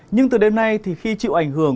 nhưng từ đêm nay thì khi chịu ảnh hưởng